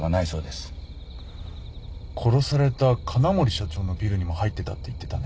殺された金森社長のビルにも入ってたって言ってたね。